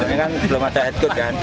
ini kan belum ada adcode kan